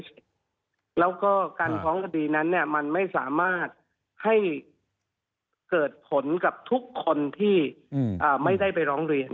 แล้วก็การฟ้องคดีนั้นเนี่ยมันไม่สามารถให้เกิดผลกับทุกคนที่ไม่ได้ไปร้องเรียน